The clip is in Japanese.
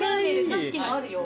さっきのあるよ。